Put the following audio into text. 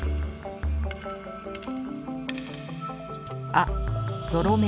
あっゾロ目。